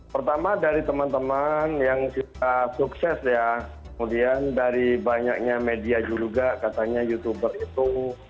pertama dari teman teman yang sudah sukses ya kemudian dari banyaknya media juga katanya youtuber itu